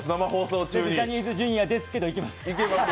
ジャニーズＪｒ．ですけど、いけます。